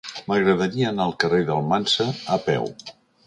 M'agradaria anar al carrer d'Almansa a peu.